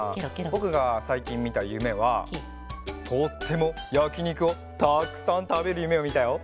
ぼくがさいきんみたゆめはとってもやきにくをたくさんたべるゆめをみたよ。